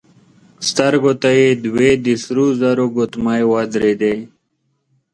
سترګو ته يې دوې د سرو زرو ګوتمۍ ودرېدې.